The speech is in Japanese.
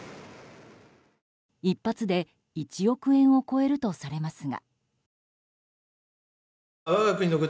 １発で１億円を超えるとされますが。